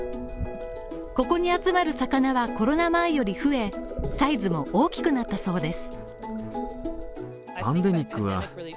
ここに集まる魚はコロナ前より増え、サイズが大きくなったそうです。